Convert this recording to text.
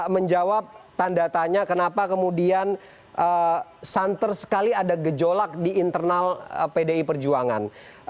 menjawab tanda tanya kenapa kemudian santer sekali ada gejolak di internal pdi perjuangan